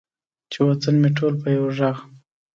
چې وطن مې ټول په یو ږغ،